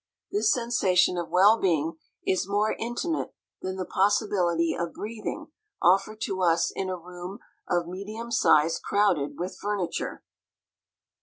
This sensation of well being is more intimate than the possibility of breathing offered to us in a room of medium size crowded with furniture.